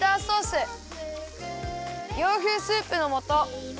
洋風スープのもと。